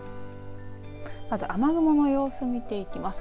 まず雨雲の様子を見ていきます。